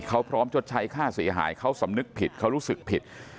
เขาพร้อมชดใช้ค่าเสียหายเขาสำนึกผิดเขารู้สึกผิด